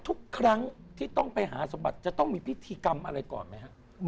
ทุกครั้งที่ต้องไปหาสมบัติจะต้องมีพิธีกรรมอะไรก่อนไหมครับ